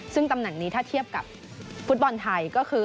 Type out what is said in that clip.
ซึ่งตำแหน่งนี้ถ้าเทียบกับฟุตบอลไทยก็คือ